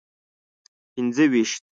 پنځه ویشت.